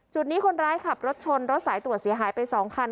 นี้คนร้ายขับรถชนรถสายตรวจเสียหายไป๒คัน